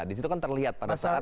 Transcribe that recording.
di situ kan terlihat pada saat